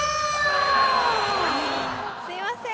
すいません！